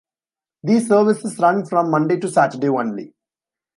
These services run from Monday to Saturday only.